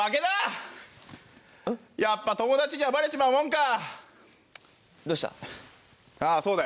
やっぱ友達にはバレちまうもんか。